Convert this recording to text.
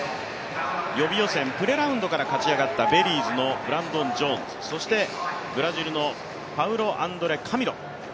予備予選、プレラウンドから勝ち上がったブランドン・ジョーンズそしてブラジルのパウロアンドレ・カミロ。